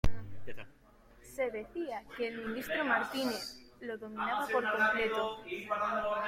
Se decía que el ministro Martínez lo dominaba por completo.